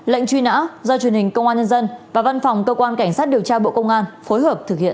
lệnh truy nã do truyền hình công an nhân dân và văn phòng cơ quan cảnh sát điều tra bộ công an phối hợp thực hiện